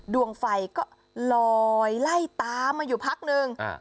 ดวงไฟก็ลอยไล่ตามมาอยู่พักนึง